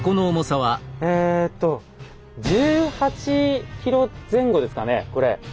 えと１８ｋｇ前後ですかねこれ。